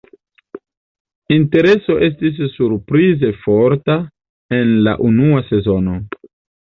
Intereso estis surprize forta en la unua sezono.